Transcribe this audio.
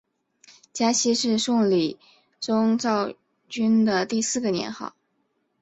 嘉熙是宋理宗赵昀的第四个年号。